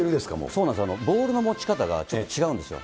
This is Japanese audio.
そうなんですよ、ボールの持ち方がちょっと違うんですよ。